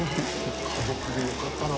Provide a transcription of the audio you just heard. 家族でよかったな。